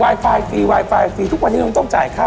ว๊ายไฟฟีว๊ายไฟฟีทุกวันที่เรามันต้องจ่ายค่า